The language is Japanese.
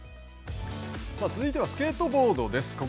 続いてはスケートボードです。